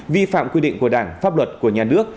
vi phạm quy định của đảng pháp luật của nhà nước